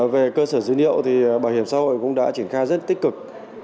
về cơ sở dữ liệu thì bảo hiểm xã hội cũng đã triển khai rất tích cực